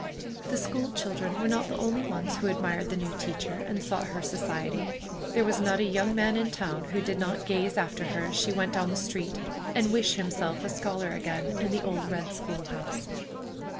The school children were not the only ones who admired the new teacher, and sought her society. There was not a young man in town who did not gaze after her as she went down the street, and wish himself a scholar again in the old red school house.